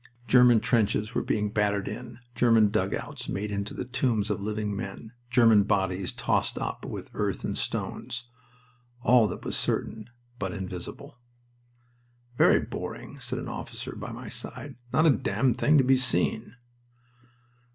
German trenches were being battered in, German dugouts made into the tombs of living men, German bodies tossed up with earth and stones all that was certain but invisible. "Very boring," said an officer by my side. "Not a damn thing to be seen."